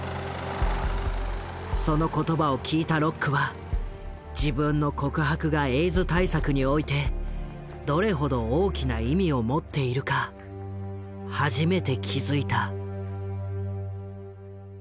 その言葉を聞いたロックは自分の告白がエイズ対策においてどれほど大きな意味を持っているか初めて気付いた。